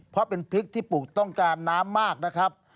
เพราะเป็นพริกที่ปลูกต้องการน้ำมากนะครับ